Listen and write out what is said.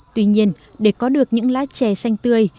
tuy nhiên để có được những lá chè xanh tươi